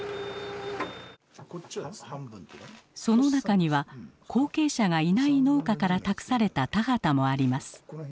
その中には後継者がいない農家から託された田畑もあります。